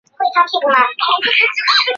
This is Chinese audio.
燥原荠为十字花科燥原荠属下的一个种。